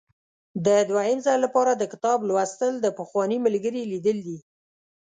د دوهم ځل لپاره د کتاب لوستل د پخواني ملګري لیدل دي.